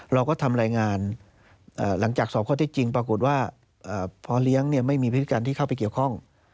เราก็ทำรายงานหลังจากสอบข้อที่จริงปรากฏว่าพอเลี้ยงไม่มีพฤติการที่เข้าไปเกี่ยวข้อง